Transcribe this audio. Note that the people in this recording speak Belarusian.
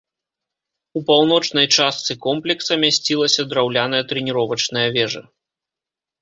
У паўночнай частцы комплекса мясцілася драўляная трэніровачная вежа.